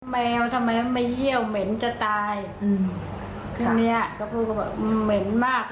แมวทำไมต้องมาเยี่ยวเหม็นจะตายอืมทีเนี้ยก็พูดก็บอกเหม็นมาก